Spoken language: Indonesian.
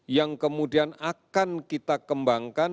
yang kemudian akan kita kembangkan